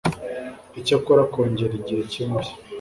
Icyakora kongera igihe cy impushya